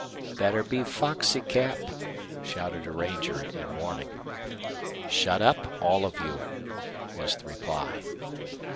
"Better be foxy, Cap," shouted a ranger, in warning. "Shut up all of you," was the reply.